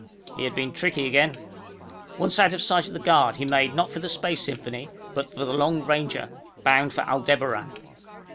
He had been tricky again. Once out of sight of the guard, he made not for the Space Symphony, but for the Long Ranger, bound for Aldebaran.